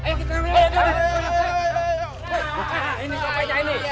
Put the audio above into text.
iya itu rumpet saya